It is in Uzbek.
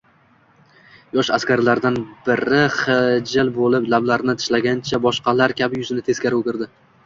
Yosh askarlardan biri xijil bo`lib, lablarini tishlagancha, boshqalar kabi yuzini teskari o`girdi